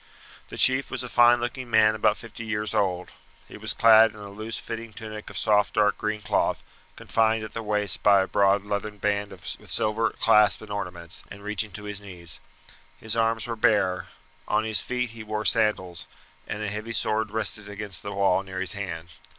The chief was a fine looking man about fifty years old. He was clad in a loose fitting tunic of soft dark green cloth, confined at the waist by a broad leathern band with silver clasp and ornaments, and reaching to his knees. His arms were bare; on his feet he wore sandals, and a heavy sword rested against the wall near his hand.